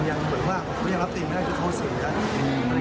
ยังเหมือนว่าเขายังรับติดได้เพราะเขาเสียงกัน